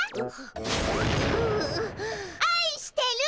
あいしてる！